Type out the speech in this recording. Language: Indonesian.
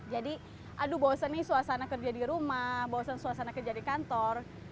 jadi aduh bahwasannya suasana kerja di rumah bahwasan suasana kerja di kantor